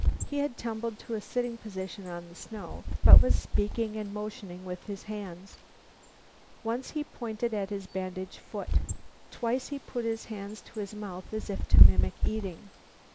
He had tumbled to a sitting position on the snow, but was speaking and motioning with his hands. Once he pointed at his bandaged foot. Twice he put his hands to his mouth, as if to mimic eating.